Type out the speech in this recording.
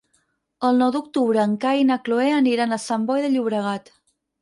El nou d'octubre en Cai i na Cloè aniran a Sant Boi de Llobregat.